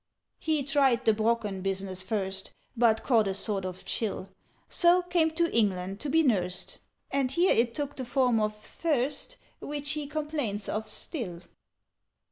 "He tried the Brocken business first, But caught a sort of chill; So came to England to be nursed, And here it took the form of thirst, Which he complains of still.